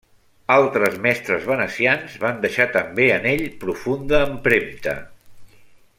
Altres mestres venecians van deixar també en ell profunda empremta.